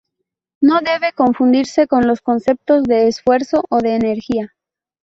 No debe confundirse con los conceptos de esfuerzo o de energía.